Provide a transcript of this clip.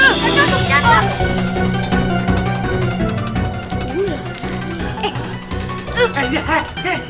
hei kalian ini dikasih hukuman